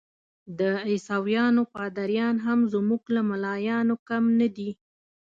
د عیسویانو پادریان هم زموږ له ملایانو کم نه دي.